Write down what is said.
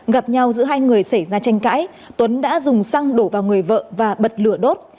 gặp nhau giữa hai người xảy ra tranh cãi tuấn đã dùng xăng đổ vào người vợ và bật lửa đốt